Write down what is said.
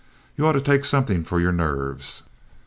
You ought to take something for your nerves."